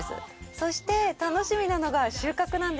そして楽しみなのが収穫なんですが。